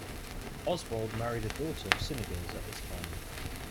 Oswald married a daughter of Cynegils at this time.